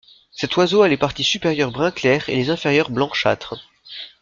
Cet oiseau a les parties supérieures brun clair et les inférieures blanchâtres.